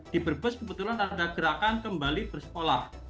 diberbus kebetulan ada gerakan kembali bersekolah